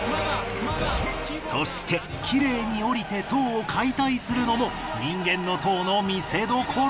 そして綺麗に降りて塔を解体するのも人間の塔の見せ所。